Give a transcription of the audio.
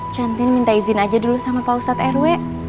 centin minta izin aja dulu sama pak ustadz rw